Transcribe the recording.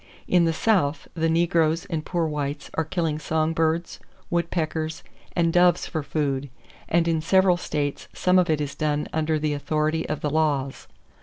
In the South, the negroes and poor whites are killing song birds, woodpeckers and doves for food; and in several states some of it is done under the authority of the laws.